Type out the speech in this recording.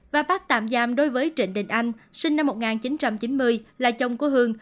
và bắt tạm giam đối với trịnh đình anh sinh năm một nghìn chín trăm chín mươi là chồng của hương